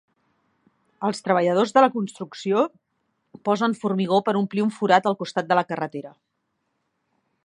Els treballadors de la construcció posen formigó per omplir un forat al costat de la carretera.